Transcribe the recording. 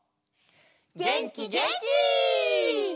げんきげんき！